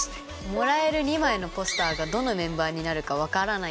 もらえる２枚のポスターがどのメンバーになるか分からないんですね。